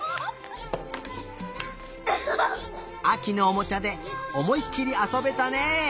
あきのおもちゃでおもいっきりあそべたね！